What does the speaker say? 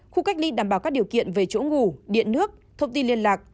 khu cách ly đảm bảo các điều kiện về chỗ ngủ điện nước thông tin liên lạc